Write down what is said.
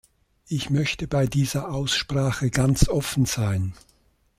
Ich möchte bei dieser Aussprache ganz offen sein.